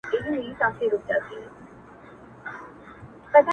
• بس کارونه وه د خدای حاکم د ښار سو..